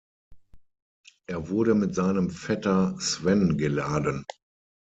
Er wurde mit seinem Vetter Sven geladen.